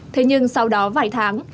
thế nhưng sau đó vài tháng